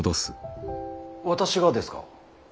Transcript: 私がですか。